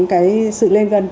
cái sự lên gần